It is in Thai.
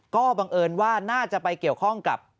ก็บังเอิญว่าน่าจะไปเกี่ยวข้องกับ